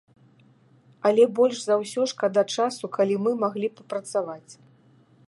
Але больш за ўсё шкада часу, калі мы маглі б працаваць.